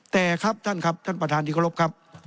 แต่ครับท่านครับท่านประธานที่เคารพครับ